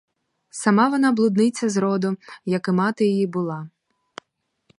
Сама вона блудниця зроду, як і мати її була.